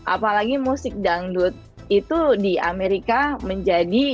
apalagi musik dangdut itu di amerika menjadi